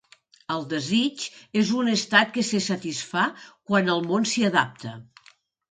El desig és un estat que se satisfà quan el món s'hi adapta.